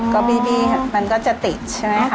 ก็บีบีมันก็จะติดใช่ไหม